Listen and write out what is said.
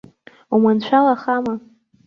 Уманшәалахама?